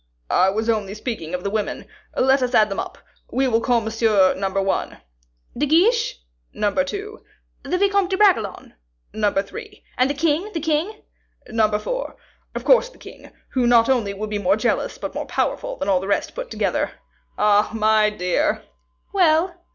"I was only speaking of the women. Let us add them up, then: we will call Monsieur, No. 1." "De Guiche?" "No. 2." "The Vicomte de Bragelonne?" "No. 3." "And the king, the king?" "No. 4. Of course the king, who not only will be more jealous, but more powerful than all the rest put together. Ah, my dear!" "Well?"